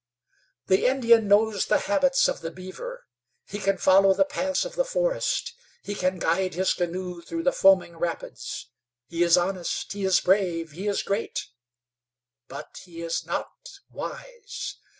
"The Indian knows the habits of the beaver; he can follow the paths of the forests; he can guide his canoe through the foaming rapids; he is honest, he is brave, he is great; but he is not wise.